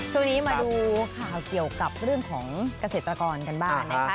ช่วงนี้มาดูข่าวเกี่ยวกับเรื่องของเกษตรกรกันบ้างนะคะ